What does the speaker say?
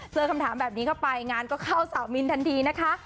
เจอคำถามแบบนี้เข้าไปงานก็เข้าสาวมินทันทีนะคะ